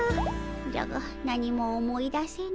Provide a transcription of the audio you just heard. じゃが何も思い出せぬ。